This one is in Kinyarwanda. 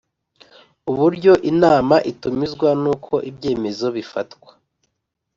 Uburyo inama itumizwa n uko ibyemezo bifatwa